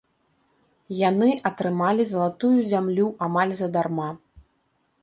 Яны атрымалі залатую зямлю амаль задарма.